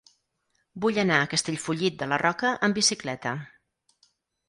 Vull anar a Castellfollit de la Roca amb bicicleta.